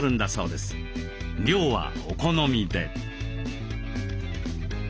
量はお好みで。